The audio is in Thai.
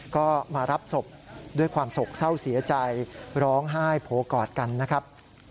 ก็มารับศพด้วยความโศกเศร้าเสียใจร้องไห้โผล่กอดกันนะครับ